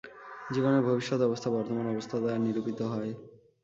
জীবনের ভবিষ্যৎ অবস্থা বর্তমান অবস্থা দ্বারা নিরূপিত হয়।